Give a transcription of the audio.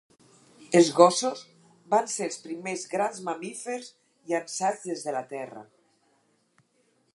Els gossos van ser els primers grans mamífers llançats des de la Terra.